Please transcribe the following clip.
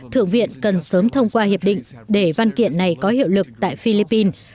thượng viện cần sớm thông qua hiệp định để văn kiện này có hiệu lực tại philippines